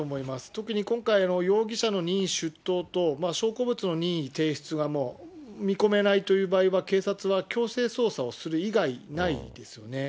特に今回、容疑者の任意出頭と証拠物の任意提出はもう見込めないという場合は警察は強制捜査する以外ないんですよね。